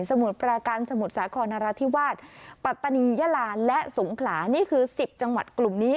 มุดปราการสมุทรสาครนราธิวาสปัตตานียาลาและสงขลานี่คือ๑๐จังหวัดกลุ่มนี้